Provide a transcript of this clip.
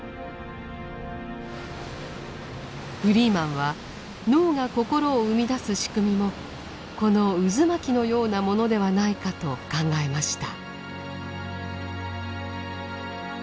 フリーマンは脳が心を生み出す仕組みもこの渦巻きのようなものではないかと考えました。